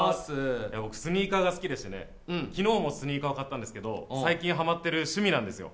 僕、スニーカーが好きでしてね、昨日もスニーカーを買ったんですけど、最近ハマってる趣味なんですよ。